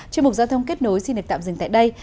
chuyên mục giao thông kết nối xin được tạm dừng tại đây